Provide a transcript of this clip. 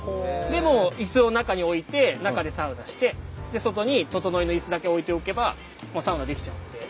でもう椅子を中に置いて中でサウナして外にととのいの椅子だけ置いておけばもうサウナ出来ちゃうので。